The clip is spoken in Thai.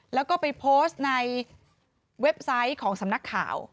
แล้วก็ไปโพสต์ในเว็บไซต์ของสำนักข่าว